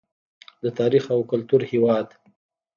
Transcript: د تاریخ او کلتور هیواد.